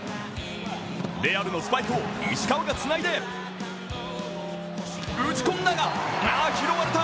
レアルのスパイクを石川がつないで打ち込んだが、拾われた！